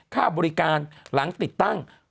ค่าบริการหลังติดตั้ง